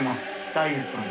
ダイエットに。